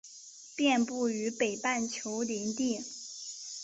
遍布于北半球林地。